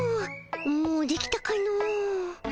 もうできたかの？